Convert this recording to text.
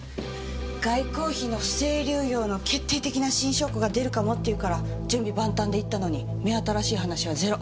外交費の不正流用の決定的な新証拠が出るかもっていうから準備万端で行ったのに目新しい話はゼロ。